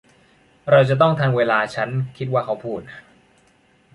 เราจะต้องทันเวลาฉันคิดว่าเขาพูด